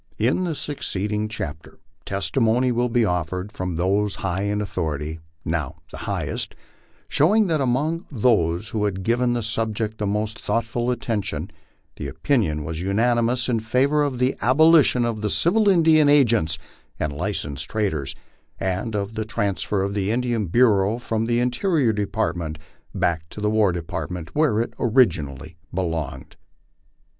In the succeeding chapter testimony will be offered from those high in authority, now the highest, showing that among those who had given the subject the most thoughtful attention the opinion was unanimous in favor of the abolition of the civil Indian agents and licensed traders," and of the transfer of the Indian Bureau from the Interior Department back to the War Depart ment, where it originally belonged.